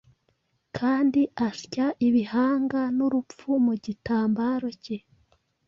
Kandi asya ibihanga, n'urupfu mu gitambaro cye;